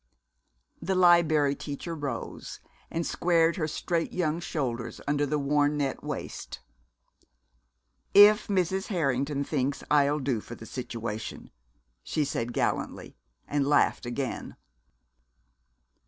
The Liberry Teacher rose, and squared her straight young shoulders under the worn net waist. "If Mrs. Harrington thinks I'll do for the situation!" she said gallantly, and laughed again.